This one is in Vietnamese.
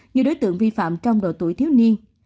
như đối tượng vi phạm trong độ tuổi thiếu niên